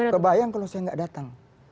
kebayang kalau saya nggak datang